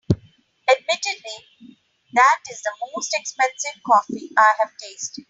Admittedly, that is the most expensive coffee I’ve tasted.